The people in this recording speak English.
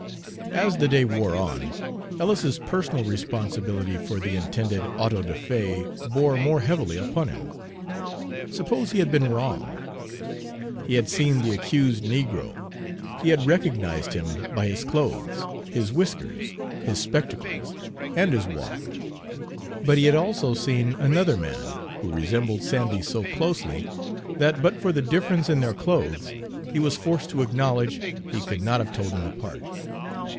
As the day wore on, Ellis's personal responsibility for the intended auto da fé bore more heavily upon him. Suppose he had been wrong? He had seen the accused negro; he had recognized him by his clothes, his whiskers, his spectacles, and his walk; but he had also seen another man, who resembled Sandy so closely that but for the difference in their clothes, he was forced to acknowledge, he could not have told them apart.